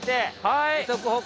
はい。